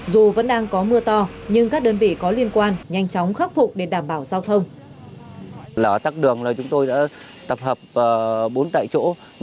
dù vẫn đang có mưa to nhưng các đơn vị có liên quan nhanh chóng khắc phục để đảm bảo giao thông